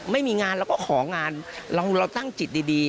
ไม่มีงานเราก็ของานเราตั้งจิตดี